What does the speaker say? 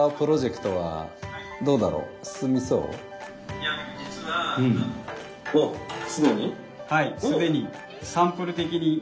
いや実ははい既にサンプル的に。